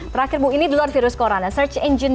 terakhir bu ini di luar virus corona search engine